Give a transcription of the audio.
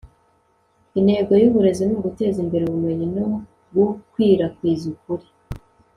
intego y'uburezi ni uguteza imbere ubumenyi no gukwirakwiza ukuri